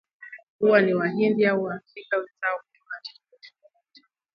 huwa ni Wahindi au Waafika wenzao kutoka nchi tofauti tofauti